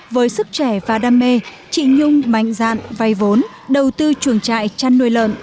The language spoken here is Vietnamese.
với sức trẻ và đam mê chị nhung mạnh dạn vay vốn đầu tư chuồng trại chăn nuôi lợn